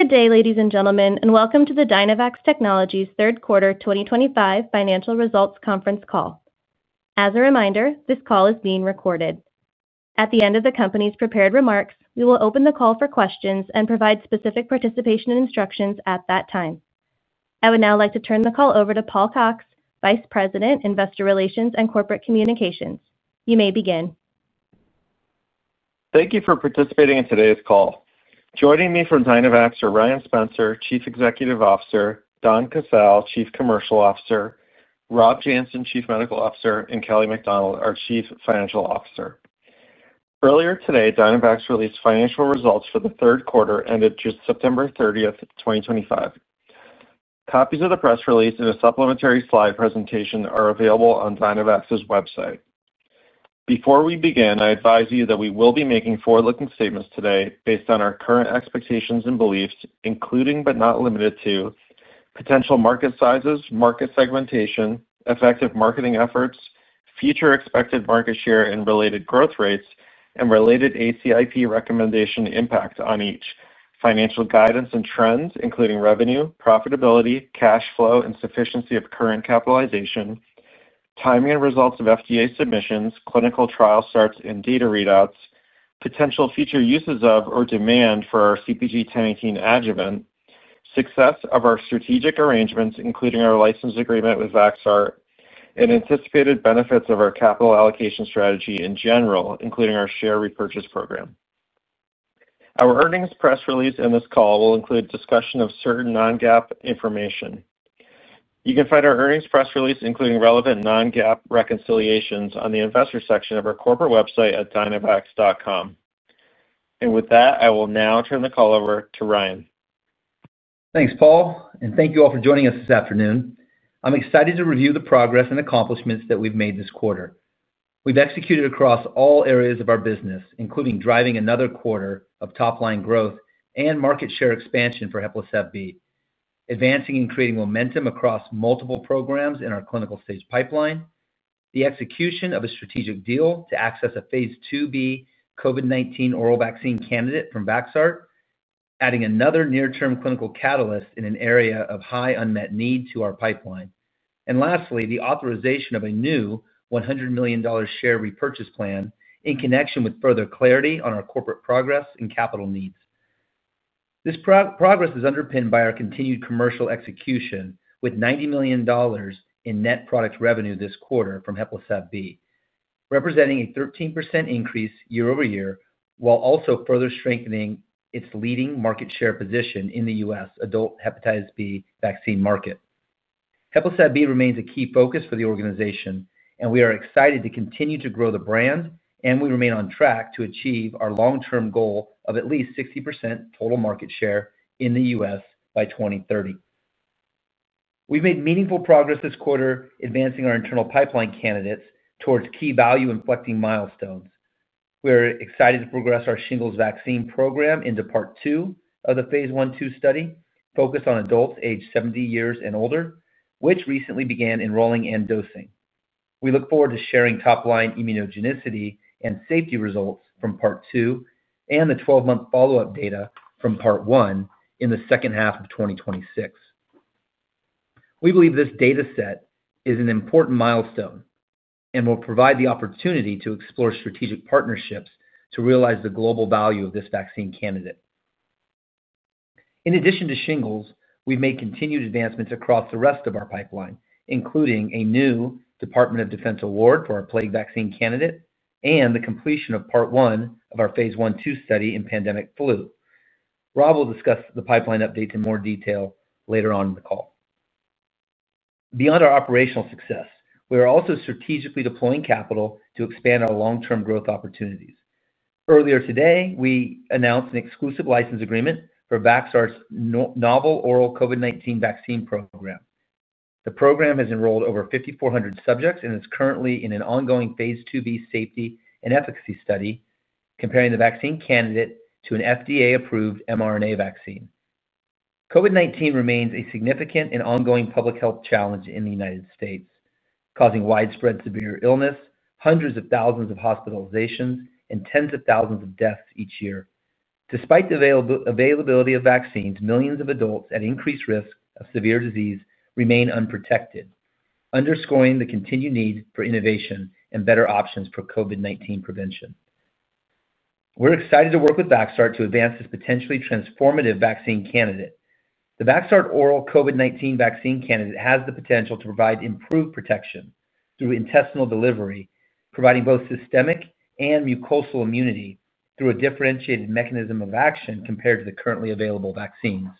Good day, ladies and gentlemen, and welcome to the Dynavax Technologies Third Quarter 2025 Financial Results Conference call. As a reminder, this call is being recorded. At the end of the company's prepared remarks, we will open the call for questions and provide specific participation instructions at that time. I would now like to turn the call over to Paul Cox, Vice President, Investor Relations and Corporate Communications. You may begin. Thank you for participating in today's call. Joining me from Dynavax are Ryan Spencer, Chief Executive Officer; Don Casale, Chief Commercial Officer; Rob Janssen, Chief Medical Officer; and Kelly MacDonald, our Chief Financial Officer. Earlier today, Dynavax released financial results for the third quarter ended September 30, 2025. Copies of the press release and a supplementary slide presentation are available on Dynavax's website. Before we begin, I advise you that we will be making forward-looking statements today based on our current expectations and beliefs, including but not limited to potential market sizes, market segmentation, effective marketing efforts, future expected market share and related growth rates, and related ACIP recommendation impact on each, financial guidance and trends, including revenue, profitability, cash flow, and sufficiency of current capitalization. Timing and results of FDA submissions, clinical trial starts and data readouts, potential future uses of or demand for our CpG-1018 adjuvant, success of our strategic arrangements, including our license agreement with Vaxart, and anticipated benefits of our capital allocation strategy in general, including our share repurchase program. Our earnings press release in this call will include discussion of certain non-GAAP information. You can find our earnings press release, including relevant non-GAAP reconciliations, on the investor section of our corporate website at dynavax.com. With that, I will now turn the call over to Ryan. Thanks, Paul, and thank you all for joining us this afternoon. I'm excited to review the progress and accomplishments that we've made this quarter. We've executed across all areas of our business, including driving another quarter of top-line growth and market share expansion for Heplisav-B, advancing and creating momentum across multiple programs in our clinical stage pipeline, the execution of a strategic deal to access a phase 2b COVID-19 oral vaccine candidate from Vaxart, adding another near-term clinical catalyst in an area of high unmet need to our pipeline, and lastly, the authorization of a new $100 million share repurchase plan in connection with further clarity on our corporate progress and capital needs. This progress is underpinned by our continued commercial execution with $90 million. In net product revenue this quarter from Heplisav-B, representing a 13% increase year overyear while also further strengthening its leading market share position in the U.S. adult hepatitis B vaccine market. Heplisav-B remains a key focus for the organization, and we are excited to continue to grow the brand, and we remain on track to achieve our long-term goal of at least 60% total market share in the U.S. by 2030. We've made meaningful progress this quarter, advancing our internal pipeline candidates towards key value-inflecting milestones. We are excited to progress our shingles vaccine program into Part 2 of the phase 1-2 study focused on adults aged 70 years and older, which recently began enrolling and dosing. We look forward to sharing top-line immunogenicity and safety results from Part 2 and the 12-month follow-up data from Part 1 in the second half of 2026. We believe this data set is an important milestone and will provide the opportunity to explore strategic partnerships to realize the global value of this vaccine candidate. In addition to shingles, we've made continued advancements across the rest of our pipeline, including a new Department of Defense award for our plague vaccine candidate and the completion of Part 1 of our phase 1-2 study in pandemic flu. Rob will discuss the pipeline update in more detail later on in the call. Beyond our operational success, we are also strategically deploying capital to expand our long-term growth opportunities. Earlier today, we announced an exclusive license agreement for Vaxart's novel oral COVID-19 vaccine program. The program has enrolled over 5,400 subjects and is currently in an ongoing phase 2b safety and efficacy study comparing the vaccine candidate to an FDA-approved mRNA vaccine. COVID-19 remains a significant and ongoing public health challenge in the United States, causing widespread severe illness, hundreds of thousands of hospitalizations, and tens of thousands of deaths each year. Despite the availability of vaccines, millions of adults at increased risk of severe disease remain unprotected, underscoring the continued need for innovation and better options for COVID-19 prevention. We're excited to work with Vaxart to advance this potentially transformative vaccine candidate. The Vaxart oral COVID-19 vaccine candidate has the potential to provide improved protection through intestinal delivery, providing both systemic and mucosal immunity through a differentiated mechanism of action compared to the currently available vaccines.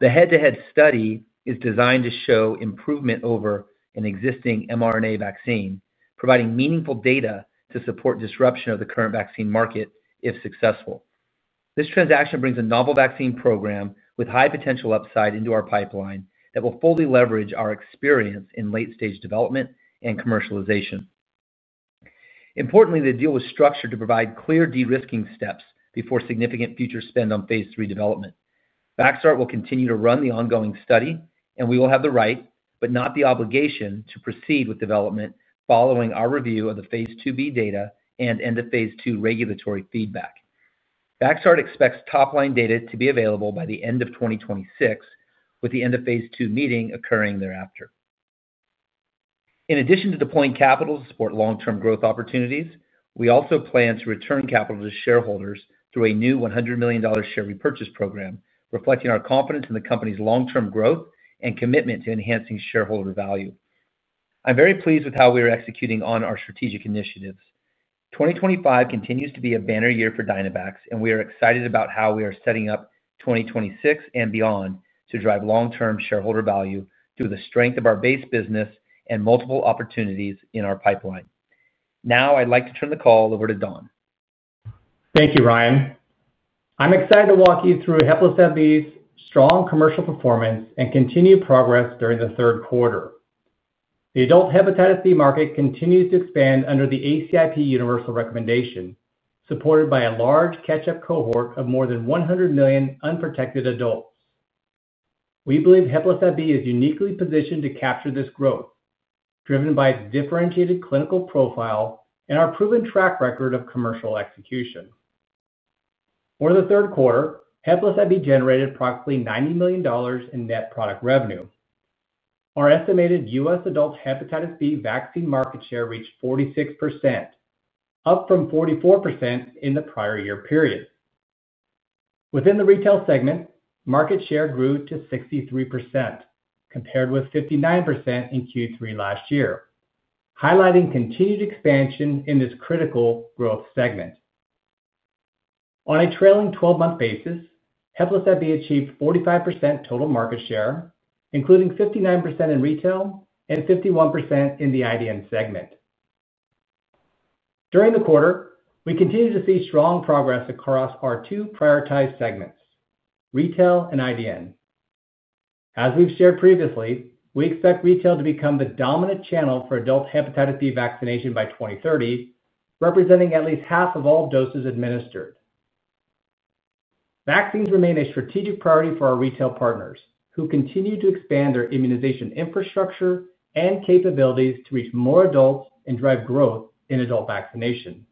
The head-to-head study is designed to show improvement over an existing mRNA vaccine, providing meaningful data to support disruption of the current vaccine market if successful. This transaction brings a novel vaccine program with high potential upside into our pipeline that will fully leverage our experience in late-stage development and commercialization. Importantly, the deal was structured to provide clear de-risking steps before significant future spend on phase 3 development. Vaxart will continue to run the ongoing study, and we will have the right, but not the obligation, to proceed with development following our review of the phase 2b data and end-of-phase 2 regulatory feedback. Vaxart expects top-line data to be available by the end of 2026, with the end-of-phase 2 meeting occurring thereafter. In addition to deploying capital to support long-term growth opportunities, we also plan to return capital to shareholders through a new $100 million share repurchase program, reflecting our confidence in the company's long-term growth and commitment to enhancing shareholder value. I'm very pleased with how we are executing on our strategic initiatives. 2025 continues to be a banner year for Dynavax, and we are excited about how we are setting up 2026 and beyond to drive long-term shareholder value through the strength of our base business and multiple opportunities in our pipeline. Now, I'd like to turn the call over to Don. Thank you, Ryan. I'm excited to walk you through Heplisav-B's strong commercial performance and continued progress during the third quarter. The adult hepatitis B market continues to expand under the ACIP universal recommendation, supported by a large catch-up cohort of more than 100 million unprotected adults. We believe Heplisav-B is uniquely positioned to capture this growth, driven by its differentiated clinical profile and our proven track record of commercial execution. Over the third quarter, Heplisav-B generated approximately $90 million in net product revenue. Our estimated U.S. adult hepatitis B vaccine market share reached 46%, up from 44% in the prior year period. Within the retail segment, market share grew to 63%, compared with 59% in Q3 last year, highlighting continued expansion in this critical growth segment. On a trailing 12-month basis, Heplisav-B achieved 45% total market share, including 59% in retail and 51% in the IDN segment. During the quarter, we continue to see strong progress across our two prioritized segments: retail and IDN. As we've shared previously, we expect retail to become the dominant channel for adult hepatitis B vaccination by 2030, representing at least half of all doses administered. Vaccines remain a strategic priority for our retail partners, who continue to expand their immunization infrastructure and capabilities to reach more adults and drive growth in adult vaccination.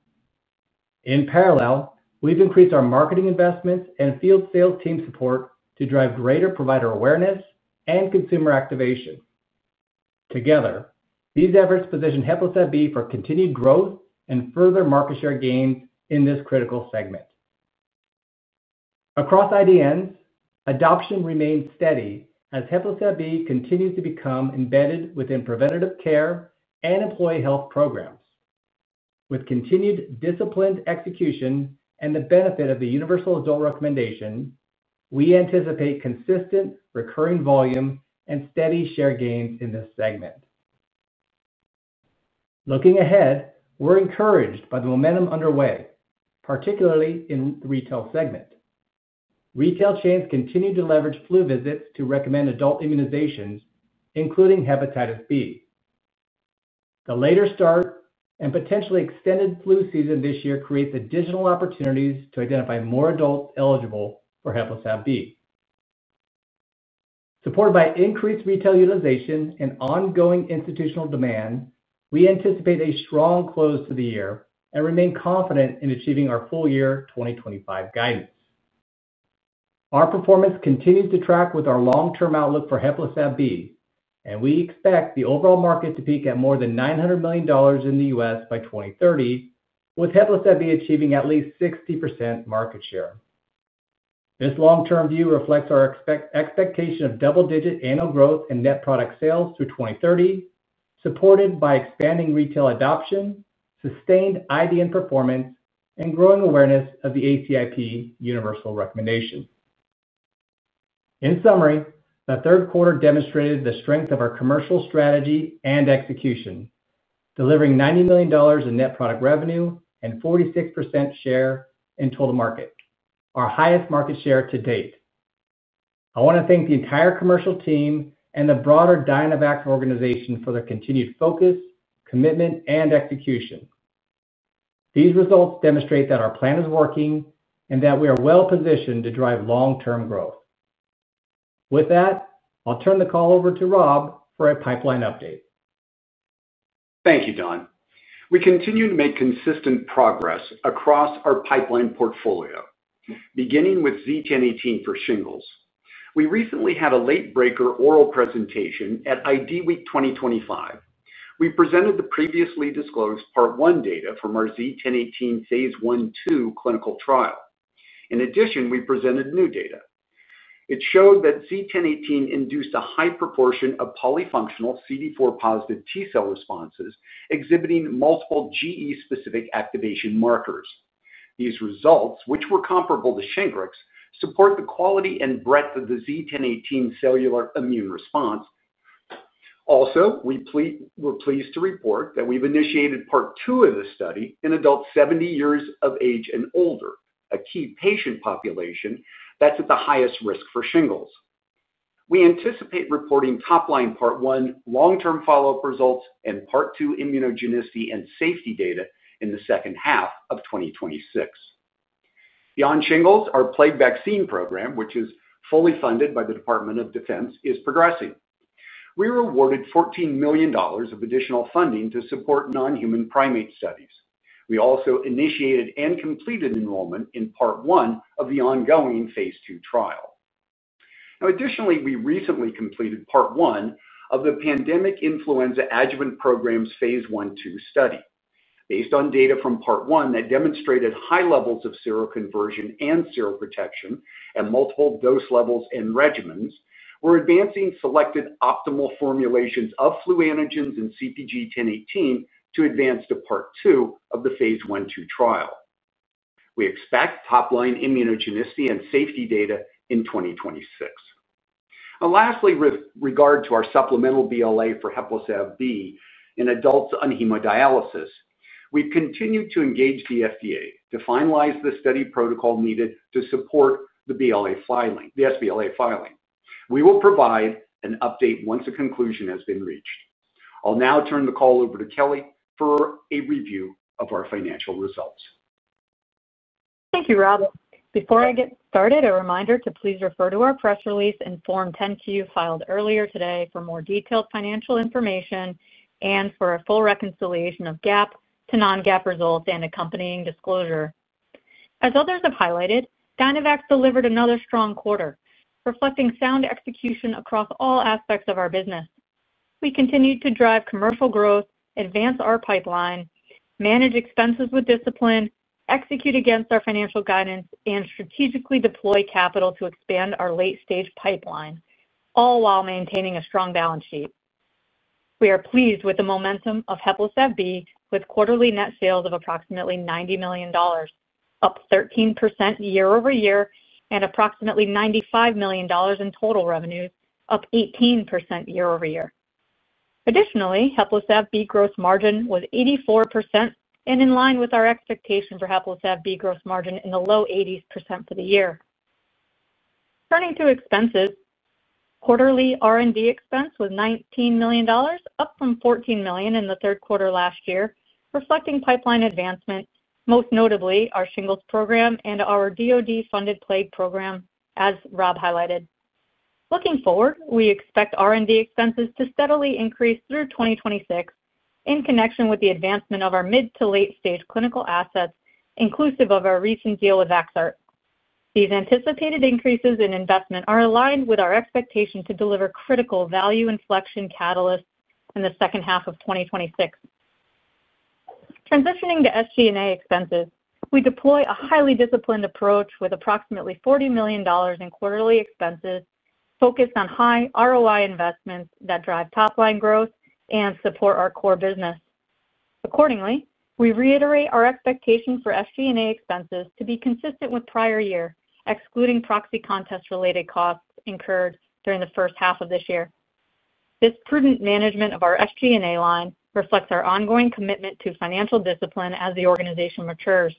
In parallel, we've increased our marketing investments and field sales team support to drive greater provider awareness and consumer activation. Together, these efforts position Heplisav-B for continued growth and further market share gains in this critical segment. Across IDNs, adoption remains steady as Heplisav-B continues to become embedded within preventative care and employee health programs. With continued disciplined execution and the benefit of the universal adult recommendation, we anticipate consistent recurring volume and steady share gains in this segment. Looking ahead, we're encouraged by the momentum underway, particularly in the retail segment. Retail chains continue to leverage flu visits to recommend adult immunizations, including hepatitis B. The later start and potentially extended flu season this year creates additional opportunities to identify more adults eligible for Heplisav-B. Supported by increased retail utilization and ongoing institutional demand, we anticipate a strong close to the year and remain confident in achieving our full-year 2025 guidance. Our performance continues to track with our long-term outlook for Heplisav-B, and we expect the overall market to peak at more than $900 million in the U.S. by 2030, with Heplisav-B achieving at least 60% market share. This long-term view reflects our expectation of double-digit annual growth in net product sales through 2030, supported by expanding retail adoption, sustained IDN performance, and growing awareness of the ACIP universal recommendation. In summary, the third quarter demonstrated the strength of our commercial strategy and execution, delivering $90 million in net product revenue and 46% share in total market, our highest market share to date. I want to thank the entire commercial team and the broader Dynavax organization for their continued focus, commitment, and execution. These results demonstrate that our plan is working and that we are well-positioned to drive long-term growth. With that, I'll turn the call over to Rob for a pipeline update. Thank you, Don. We continue to make consistent progress across our pipeline portfolio, beginning with CpG 1018 for shingles. We recently had a late-breaker oral presentation at ID Week 2025. We presented the previously disclosed part 1 data from our CpG 1018 phase 1-2 clinical trial. In addition, we presented new data. It showed that CpG 1018 induced a high proportion of polyfunctional CD4-positive T cell responses exhibiting multiple gE-specific activation markers. These results, which were comparable to Shingrix, support the quality and breadth of the CpG 1018 cellular immune response. Also, we're pleased to report that we've initiated part 2 of the study in adults 70 years of age and older, a key patient population that's at the highest risk for shingles. We anticipate reporting top-line part 1 long-term follow-up results and part 2 immunogenicity and safety data in the second half of 2026. Beyond shingles, our plague vaccine program, which is fully funded by the Department of Defense, is progressing. We were awarded $14 million of additional funding to support non-human primate studies. We also initiated and completed enrollment in Part 1 of the ongoing phase 2 trial. Now, additionally, we recently completed Part 1 of the pandemic influenza adjuvant program's phase 1-2 study. Based on data from Part 1 that demonstrated high levels of seroconversion and seroprotection at multiple dose levels and regimens, we're advancing selected optimal formulations of flu antigens and CpG 1018 to advance to Part 2 of the phase 1-2 trial. We expect top-line immunogenicity and safety data in 2026. Lastly, with regard to our supplemental BLA for Heplisav-B in adults on hemodialysis, we've continued to engage the FDA to finalize the study protocol needed to support the SBLA filing. We will provide an update once a conclusion has been reached. I'll now turn the call over to Kelly for a review of our financial results. Thank you, Rob. Before I get started, a reminder to please refer to our press release and Form 10-Q filed earlier today for more detailed financial information and for a full reconciliation of GAAP to non-GAAP results and accompanying disclosure. As others have highlighted, Dynavax delivered another strong quarter, reflecting sound execution across all aspects of our business. We continued to drive commercial growth, advance our pipeline, manage expenses with discipline, execute against our financial guidance, and strategically deploy capital to expand our late-stage pipeline, all while maintaining a strong balance sheet. We are pleased with the momentum of Heplisav-B, with quarterly net sales of approximately $90 million, up 13% year-over-year, and approximately $95 million in total revenues, up 18% year-over-year. Additionally, Heplisav-B gross margin was 84% and in line with our expectation for Heplisav-B gross margin in the low 80% for the year. Turning to expenses, quarterly R&D expense was $19 million, up from $14 million in the third quarter last year, reflecting pipeline advancement, most notably our shingles program and our DOD-funded plague program, as Rob highlighted. Looking forward, we expect R&D expenses to steadily increase through 2026 in connection with the advancement of our mid to late-stage clinical assets, inclusive of our recent deal with Vaxart. These anticipated increases in investment are aligned with our expectation to deliver critical value inflection catalysts in the second half of 2026. Transitioning to SG&A expenses, we deploy a highly disciplined approach with approximately $40 million in quarterly expenses focused on high ROI investments that drive top-line growth and support our core business. Accordingly, we reiterate our expectation for SG&A expenses to be consistent with prior year, excluding proxy contest-related costs incurred during the first half of this year. This prudent management of our SG&A line reflects our ongoing commitment to financial discipline as the organization matures.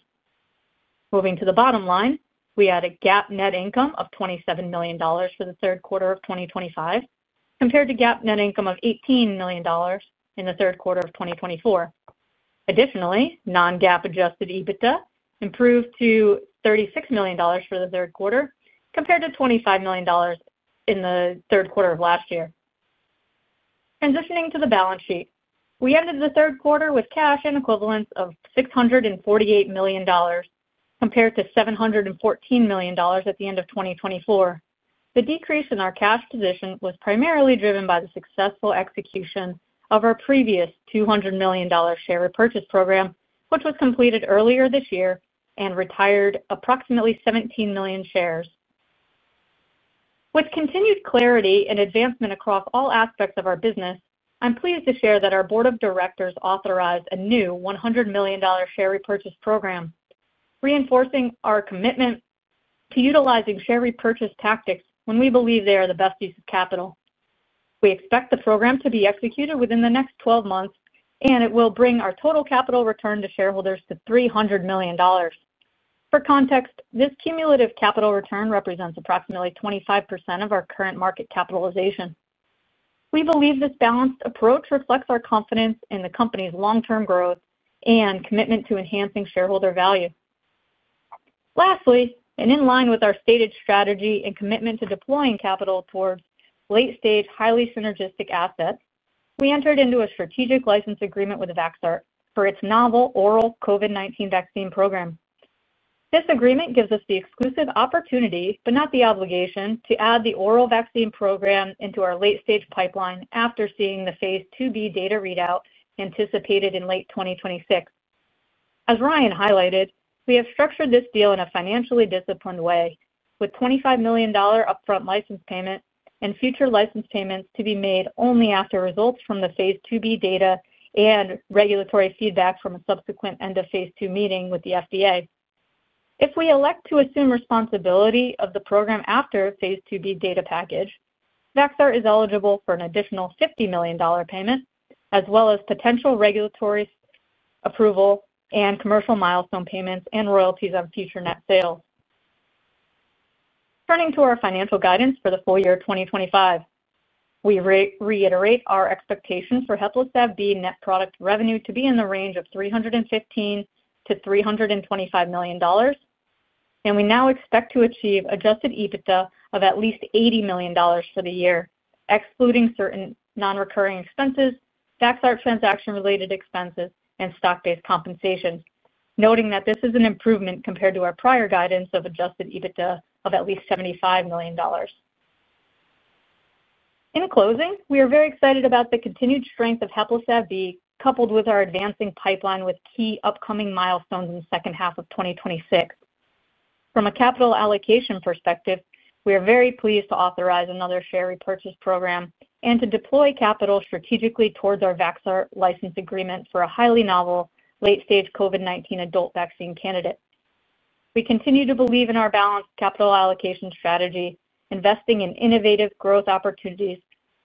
Moving to the bottom line, we had a GAAP net income of $27 million for the third quarter of 2025, compared to GAAP net income of $18 million in the third quarter of 2024. Additionally, non-GAAP adjusted EBITDA improved to $36 million for the third quarter, compared to $25 million in the third quarter of last year. Transitioning to the balance sheet, we ended the third quarter with cash and equivalents of $648 million, compared to $714 million at the end of 2024. The decrease in our cash position was primarily driven by the successful execution of our previous $200 million share repurchase program, which was completed earlier this year and retired approximately 17 million shares. With continued clarity and advancement across all aspects of our business, I'm pleased to share that our board of directors authorized a new $100 million share repurchase program. Reinforcing our commitment to utilizing share repurchase tactics when we believe they are the best use of capital. We expect the program to be executed within the next 12 months, and it will bring our total capital return to shareholders to $300 million. For context, this cumulative capital return represents approximately 25% of our current market capitalization. We believe this balanced approach reflects our confidence in the company's long-term growth and commitment to enhancing shareholder value. Lastly, and in line with our stated strategy and commitment to deploying capital towards late-stage, highly synergistic assets, we entered into a strategic license agreement with Vaxart for its novel oral COVID-19 vaccine program. This agreement gives us the exclusive opportunity, but not the obligation, to add the oral vaccine program into our late-stage pipeline after seeing the phase 2b data readout anticipated in late 2026. As Ryan highlighted, we have structured this deal in a financially disciplined way, with $25 million upfront license payment and future license payments to be made only after results from the phase 2b data and regulatory feedback from a subsequent end-of-phase 2 meeting with the FDA. If we elect to assume responsibility of the program after the phase 2b data package, Vaxart is eligible for an additional $50 million payment, as well as potential regulatory approval and commercial milestone payments and royalties on future net sales. Turning to our financial guidance for the full year 2025, we reiterate our expectations for Heplisav-B net product revenue to be in the range of $315-$325 million. We now expect to achieve adjusted EBITDA of at least $80 million for the year, excluding certain non-recurring expenses, Vaxart transaction-related expenses, and stock-based compensation, noting that this is an improvement compared to our prior guidance of adjusted EBITDA of at least $75 million. In closing, we are very excited about the continued strength of Heplisav-B, coupled with our advancing pipeline with key upcoming milestones in the second half of 2026. From a capital allocation perspective, we are very pleased to authorize another share repurchase program and to deploy capital strategically towards our Vaxart license agreement for a highly novel late-stage COVID-19 adult vaccine candidate. We continue to believe in our balanced capital allocation strategy, investing in innovative growth opportunities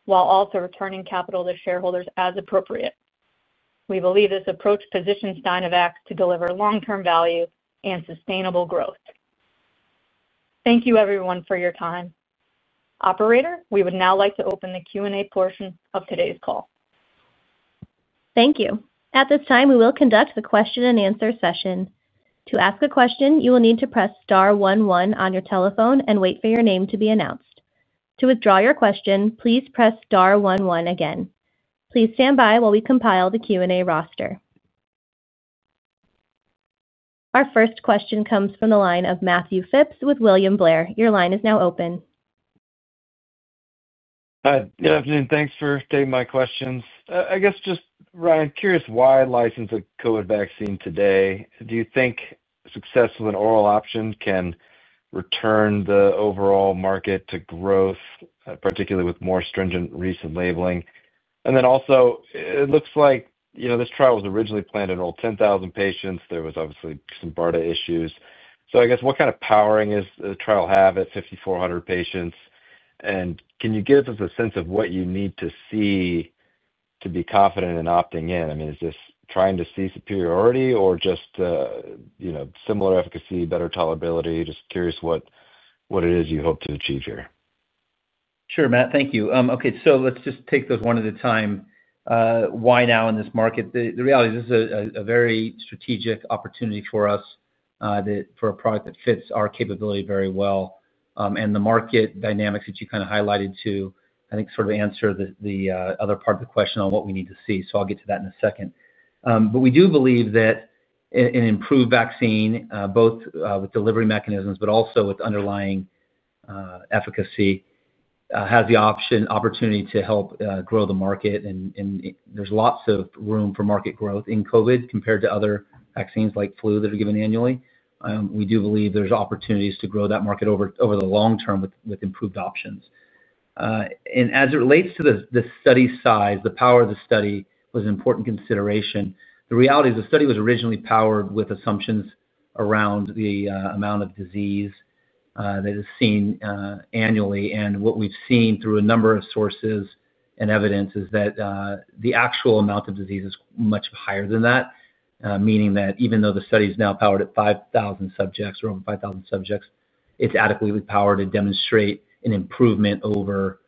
while also returning capital to shareholders as appropriate. We believe this approach positions Dynavax to deliver long-term value and sustainable growth. Thank you, everyone, for your time. Operator, we would now like to open the Q&A portion of today's call. Thank you. At this time, we will conduct the question-and-answer session. To ask a question, you will need to press Star 1-1 on your telephone and wait for your name to be announced. To withdraw your question, please press Star 1-1 again. Please stand by while we compile the Q&A roster. Our first question comes from the line of Matthew Phipps with William Blair. Your line is now open. Good afternoon. Thanks for taking my questions. I guess just, Ryan, curious why license a COVID vaccine today. Do you think success with an oral option can return the overall market to growth, particularly with more stringent recent labeling? Also, it looks like this trial was originally planned in all 10,000 patients. There was obviously some BARDA issues. I guess, what kind of powering is the trial having at 5,400 patients? Can you give us a sense of what you need to see to be confident in opting in? I mean, is this trying to see superiority or just similar efficacy, better tolerability? Just curious what it is you hope to achieve here. Sure, Matt. Thank you. Okay. Let's just take those one at a time. Why now in this market? The reality is this is a very strategic opportunity for us. For a product that fits our capability very well. The market dynamics that you kind of highlighted too, I think sort of answer the other part of the question on what we need to see. I'll get to that in a second. We do believe that an improved vaccine, both with delivery mechanisms but also with underlying efficacy, has the opportunity to help grow the market. There's lots of room for market growth in COVID compared to other vaccines like flu that are given annually. We do believe there's opportunities to grow that market over the long term with improved options. As it relates to the study size, the power of the study was an important consideration. The reality is the study was originally powered with assumptions around the amount of disease that is seen annually. What we have seen through a number of sources and evidence is that the actual amount of disease is much higher than that, meaning that even though the study is now powered at 5,000 subjects or over 5,000 subjects, it is adequately powered to demonstrate an improvement over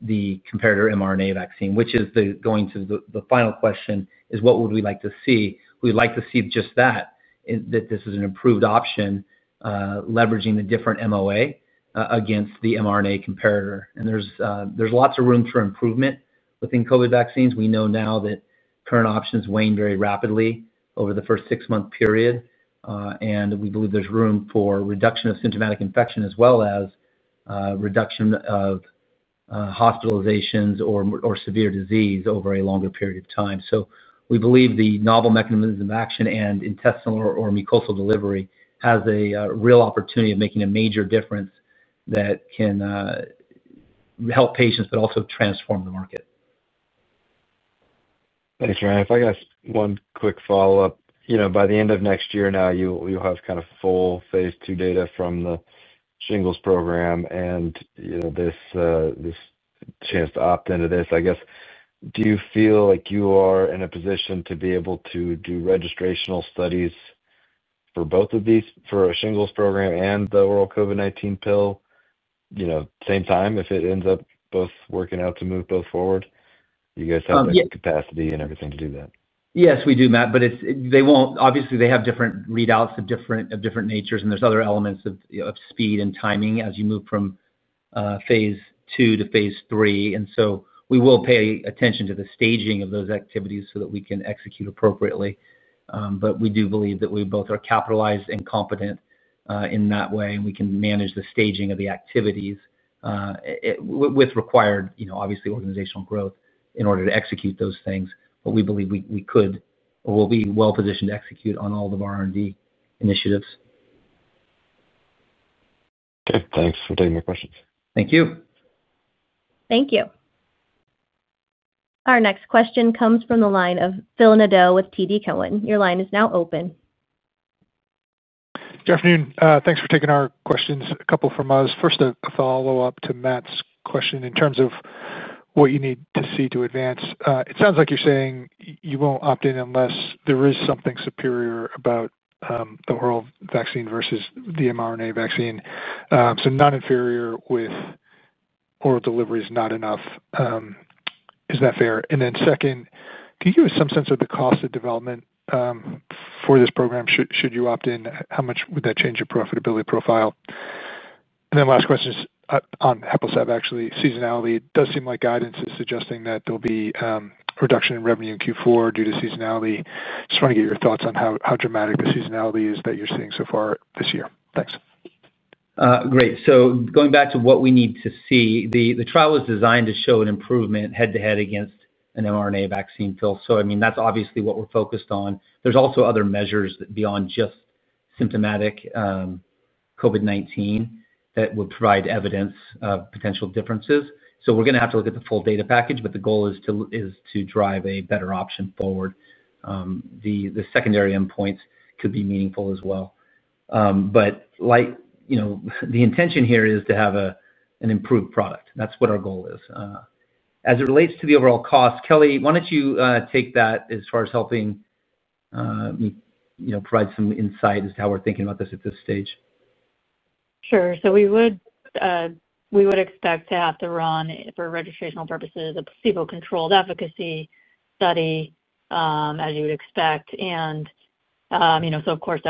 the comparator mRNA vaccine. Which is going to the final question, what would we like to see? We would like to see just that, that this is an improved option, leveraging the different MOA against the mRNA comparator. There is lots of room for improvement within COVID vaccines. We know now that current options wane very rapidly over the first six-month period. We believe there is room for reduction of symptomatic infection as well as reduction of hospitalizations or severe disease over a longer period of time. We believe the novel mechanism of action and intestinal or mucosal delivery has a real opportunity of making a major difference that can help patients, but also transform the market. Thanks, Ryan. If I could ask one quick follow-up, by the end of next year now, you'll have kind of full phase 2 data from the shingles program and this chance to opt into this. I guess, do you feel like you are in a position to be able to do registrational studies for both of these, for a shingles program and the oral COVID-19 pill, same time if it ends up both working out to move both forward? You guys have the capacity and everything to do that. Yes, we do, Matt. Obviously, they have different readouts of different natures, and there's other elements of speed and timing as you move from phase 2 to phase 3. We will pay attention to the staging of those activities so that we can execute appropriately. We do believe that we both are capitalized and competent in that way, and we can manage the staging of the activities with required, obviously, organizational growth in order to execute those things. We believe we could or will be well-positioned to execute on all of our R&D initiatives. Okay. Thanks for taking my questions. Thank you. Thank you. Our next question comes from the line of Phil Nadeau with TD Cowen. Your line is now open. Good afternoon. Thanks for taking our questions. A couple from us. First, a follow-up to Matt's question in terms of what you need to see to advance. It sounds like you're saying you won't opt in unless there is something superior about the oral vaccine versus the mRNA vaccine. So not inferior with oral delivery is not enough. Is that fair? Second, can you give us some sense of the cost of development for this program? Should you opt in, how much would that change your profitability profile? Last question is on Heplisav, actually, seasonality. It does seem like guidance is suggesting that there'll be reduction in revenue in Q4 due to seasonality. Just want to get your thoughts on how dramatic the seasonality is that you're seeing so far this year. Thanks. Great. Going back to what we need to see, the trial is designed to show an improvement head-to-head against an mRNA vaccine pill. I mean, that's obviously what we're focused on. There are also other measures beyond just symptomatic COVID-19 that would provide evidence of potential differences. We are going to have to look at the full data package, but the goal is to drive a better option forward. The secondary endpoints could be meaningful as well. The intention here is to have an improved product. That's what our goal is. As it relates to the overall cost, Kelly, why do not you take that as far as helping provide some insight as to how we are thinking about this at this stage? Sure. We would expect to have to run, for registrational purposes, a placebo-controlled efficacy study, as you would expect. That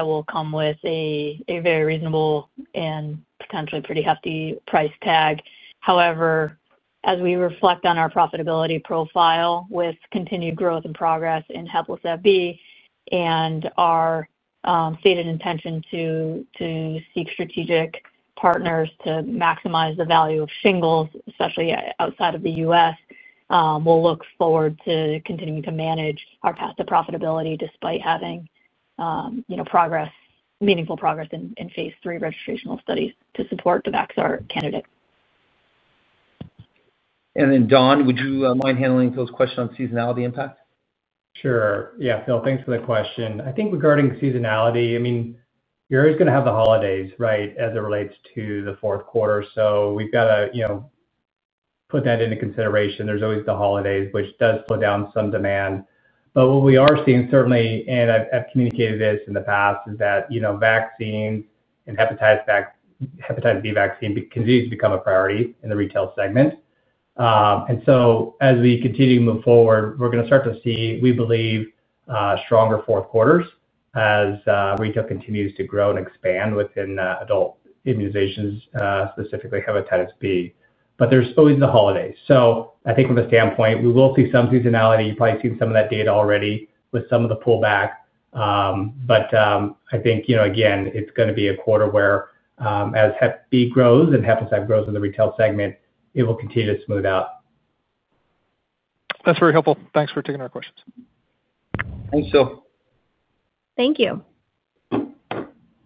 will come with a very reasonable and potentially pretty hefty price tag. However, as we reflect on our profitability profile with continued growth and progress in Heplisav-B and our stated intention to seek strategic partners to maximize the value of shingles, especially outside of the U.S., we look forward to continuing to manage our path to profitability despite having meaningful progress in phase 3 registrational studies to support the Vaxart candidate. Don, would you mind handling Phil's question on seasonality impact? Sure. Yeah, Phil, thanks for the question. I think regarding seasonality, I mean, you're always going to have the holidays, right, as it relates to the fourth quarter. We have to put that into consideration. There's always the holidays, which does slow down some demand. What we are seeing certainly, and I've communicated this in the past, is that vaccines and hepatitis B vaccine continue to become a priority in the retail segment. As we continue to move forward, we're going to start to see, we believe, stronger fourth quarters as retail continues to grow and expand within adult immunizations, specifically hepatitis B. There's always the holidays. I think from a standpoint, we will see some seasonality. You've probably seen some of that data already with some of the pullback. I think, again, it's going to be a quarter where, as Hep B grows and Heplisav-B grows in the retail segment, it will continue to smooth out. That's very helpful. Thanks for taking our questions. Thanks, Phil. Thank you.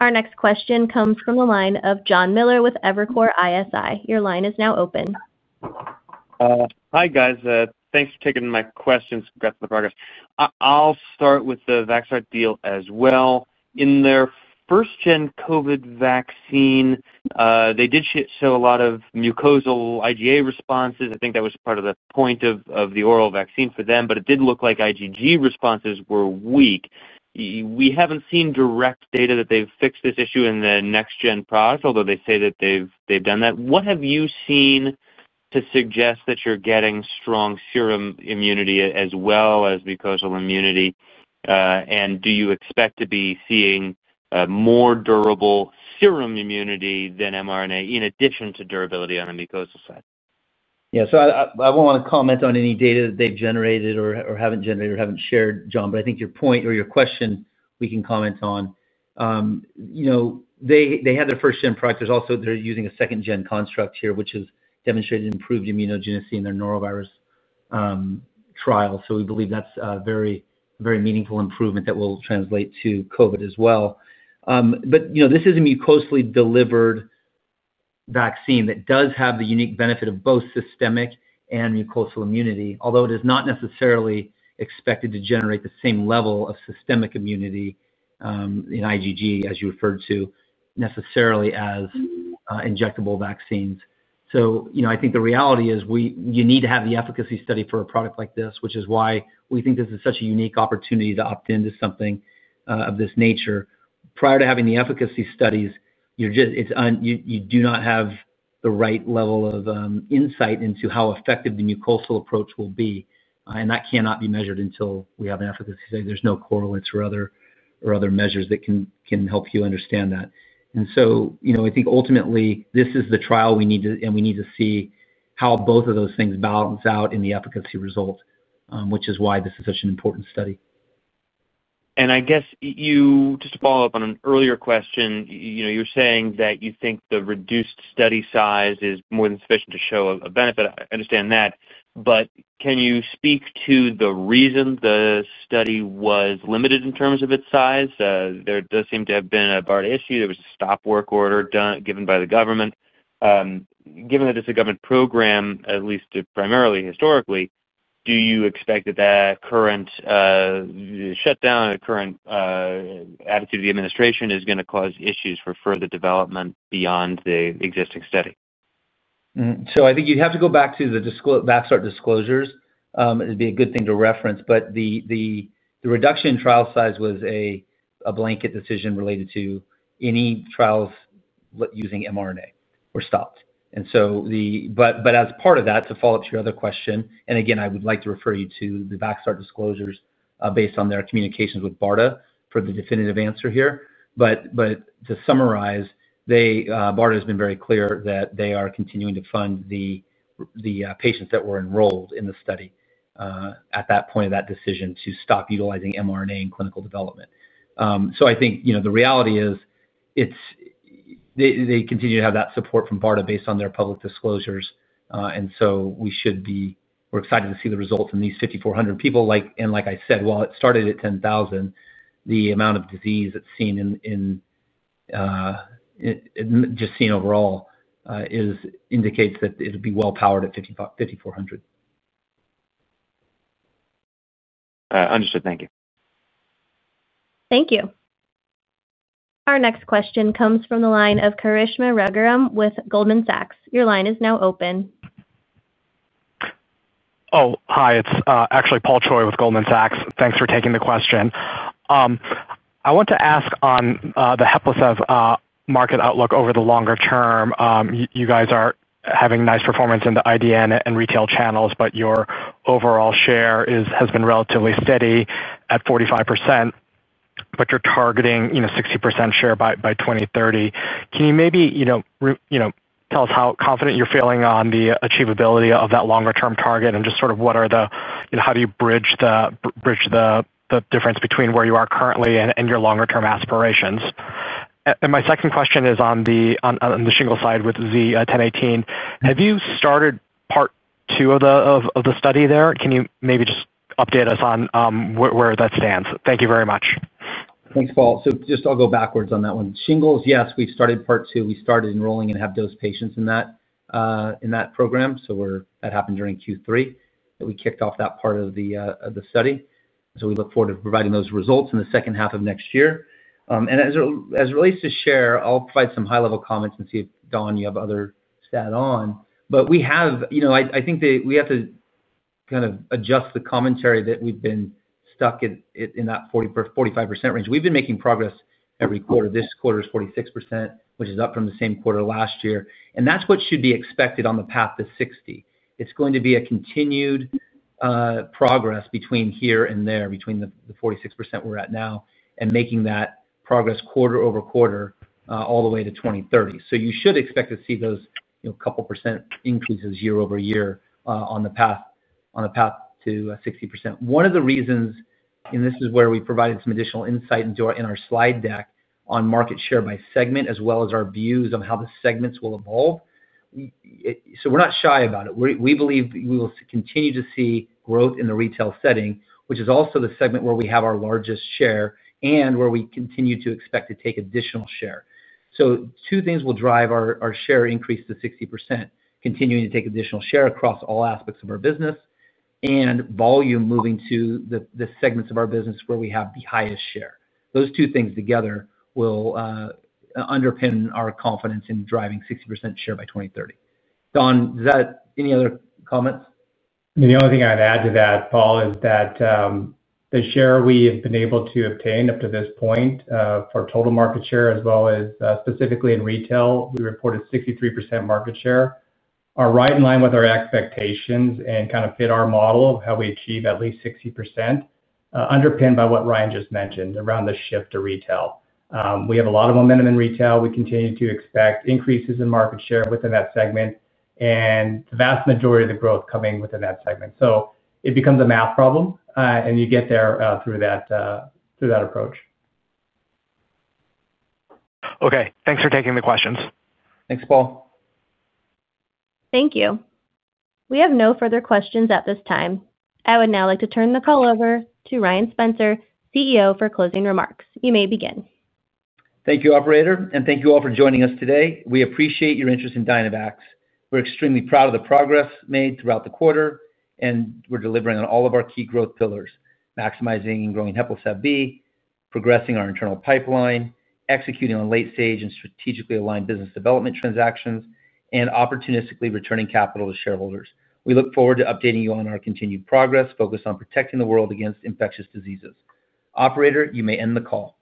Our next question comes from the line of Jonathan Miller with Evercore ISI. Your line is now open. Hi, guys. Thanks for taking my questions. Congrats on the progress. I'll start with the Vaxart deal as well. In their first-gen COVID vaccine, they did show a lot of mucosal IgA responses. I think that was part of the point of the oral vaccine for them. It did look like IgG responses were weak. We haven't seen direct data that they've fixed this issue in the next-gen product, although they say that they've done that. What have you seen to suggest that you're getting strong serum immunity as well as mucosal immunity? Do you expect to be seeing more durable serum immunity than mRNA in addition to durability on the mucosal side? Yeah. I won't want to comment on any data that they've generated or haven't generated or haven't shared, John. I think your point or your question, we can comment on. They had their first-gen product. There's also they're using a second-gen construct here, which has demonstrated improved immunogenicity in their norovirus trial. We believe that's a very meaningful improvement that will translate to COVID as well. This is a mucosally delivered vaccine that does have the unique benefit of both systemic and mucosal immunity, although it is not necessarily expected to generate the same level of systemic immunity in IgG, as you referred to, necessarily as injectable vaccines. I think the reality is you need to have the efficacy study for a product like this, which is why we think this is such a unique opportunity to opt into something of this nature. Prior to having the efficacy studies, you do not have the right level of insight into how effective the mucosal approach will be. That cannot be measured until we have an efficacy study. There are no correlates or other measures that can help you understand that. I think ultimately, this is the trial we need, and we need to see how both of those things balance out in the efficacy result, which is why this is such an important study. I guess just to follow up on an earlier question, you're saying that you think the reduced study size is more than sufficient to show a benefit. I understand that. Can you speak to the reason the study was limited in terms of its size? There does seem to have been a BARDA issue. There was a stop work order given by the government. Given that it's a government program, at least primarily historically, do you expect that that current shutdown and current attitude of the administration is going to cause issues for further development beyond the existing study? I think you'd have to go back to the Vaxart disclosures. It'd be a good thing to reference. The reduction in trial size was a blanket decision related to any trials using mRNA were stopped. As part of that, to follow up to your other question, and again, I would like to refer you to the Vaxart disclosures based on their communications with BARDA for the definitive answer here. To summarize, BARDA has been very clear that they are continuing to fund the patients that were enrolled in the study at that point of that decision to stop utilizing mRNA in clinical development. I think the reality is they continue to have that support from BARDA based on their public disclosures. We're excited to see the results in these 5,400 people. Like I said, while it started at 10,000, the amount of disease that's seen, just seen overall, indicates that it would be well-powered at 5,400. Understood. Thank you. Thank you. Our next question comes from the line of Karishma Raghuram with Goldman Sachs. Your line is now open. Oh, hi. It's actually Paul Choi with Goldman Sachs. Thanks for taking the question. I want to ask on the Heplisav-B market outlook over the longer term. You guys are having nice performance in the IDN and retail channels, but your overall share has been relatively steady at 45%. You are targeting 60% share by 2030. Can you maybe tell us how confident you're feeling on the achievability of that longer-term target and just sort of what are the, how do you bridge the difference between where you are currently and your longer-term aspirations? My second question is on the shingles side with CpG-1018. Have you started part two of the study there? Can you maybe just update us on where that stands? Thank you very much. Thanks, Paul. I'll go backwards on that one. Shingles, yes, we started part two. We started enrolling and have dosed patients in that program. That happened during Q3 that we kicked off that part of the study. We look forward to providing those results in the second half of next year. As it relates to share, I'll provide some high-level comments and see if, Don, you have other stat on. I think we have to kind of adjust the commentary that we've been stuck in that 45% range. We've been making progress every quarter. This quarter is 46%, which is up from the same quarter last year. That's what should be expected on the path to 60%. It's going to be a continued. Progress between here and there, between the 46% we're at now and making that progress quarter over quarter all the way to 2030. You should expect to see those couple percent increases year-over-year on the path to 60%. One of the reasons, and this is where we provided some additional insight in our slide deck on market share by segment, as well as our views on how the segments will evolve. We're not shy about it. We believe we will continue to see growth in the retail setting, which is also the segment where we have our largest share and where we continue to expect to take additional share. Two things will drive our share increase to 60%: continuing to take additional share across all aspects of our business and volume moving to the segments of our business where we have the highest share. Those two things together will underpin our confidence in driving 60% share by 2030. Don, any other comments? The only thing I'd add to that, Paul, is that the share we have been able to obtain up to this point for total market share, as well as specifically in retail, we reported 63% market share, are right in line with our expectations and kind of fit our model of how we achieve at least 60%, underpinned by what Ryan just mentioned around the shift to retail. We have a lot of momentum in retail. We continue to expect increases in market share within that segment and the vast majority of the growth coming within that segment. It becomes a math problem, and you get there through that approach. Okay. Thanks for taking the questions. Thanks, Paul. Thank you. We have no further questions at this time. I would now like to turn the call over to Ryan Spencer, CEO, for closing remarks. You may begin. Thank you, operator. Thank you all for joining us today. We appreciate your interest in Dynavax. We're extremely proud of the progress made throughout the quarter, and we're delivering on all of our key growth pillars: maximizing and growing Heplisav-B, progressing our internal pipeline, executing on late-stage and strategically aligned business development transactions, and opportunistically returning capital to shareholders. We look forward to updating you on our continued progress focused on protecting the world against infectious diseases. Operator, you may end the call.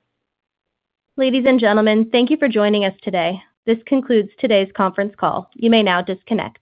Ladies and gentlemen, thank you for joining us today. This concludes today's conference call. You may now disconnect.